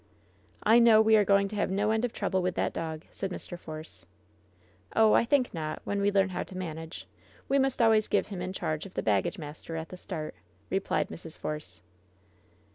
"I know we are going to have no end of trouble with that dog," said Mr. Force. "Oh, I think not, when we learn how to manage. We must always give him in charge of the baggage master at the start," replied Mrs. Force.